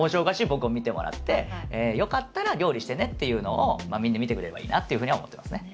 僕を見てもらってよかったら料理してねっていうのをみんな見てくれればいいなっていうふうには思ってますね。